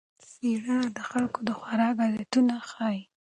څېړنه د خلکو د خوراک عادتونه ښيي.